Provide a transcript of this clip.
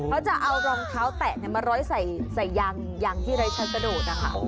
เขาจะเอารองเท้าแตะมาร้อยใส่ยางที่รายชัดสะโดดนะคะ